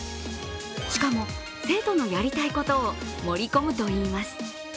しかも、生徒のやりたいことを盛り込むといいます。